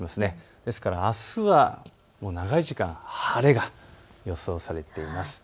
ですからあすは長い時間、晴れが予想されています。